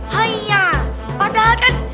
haiya padahal kan